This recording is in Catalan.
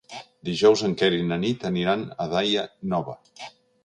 Dijous en Quer i na Nit aniran a Daia Nova.